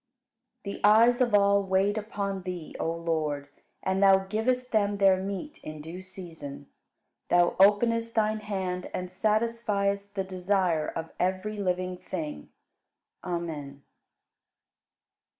46. The eyes of all wait upon Thee, O Lord, and Thou givest them their meat in due season: Thou openest Thine hand and satisfiest the desire of every living thing. Amen.